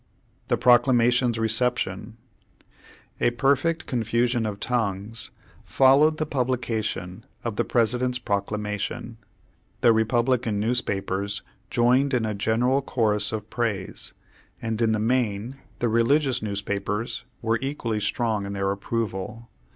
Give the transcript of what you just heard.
THE PROCLAMATION'S RECEPTION A perfect confusion of tongues followed the publication of the President's Proclamation. The Republican newspapers joined in a general chorus of praise, and in the main the religious news papers were equally strong in their approval.